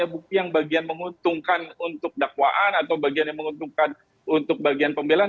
bukti yang bagian menguntungkan untuk dakwaan atau bagian yang menguntungkan untuk bagian pembelian